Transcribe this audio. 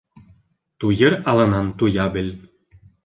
Туйыр алынан туя бел